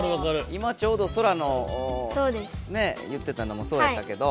今ちょうどソラの言ってたのもそうやったけど。